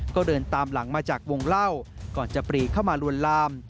ก็เดินตามหลังมาจากวงเล่าก่อนจะปรีเข้ามาลวนลาม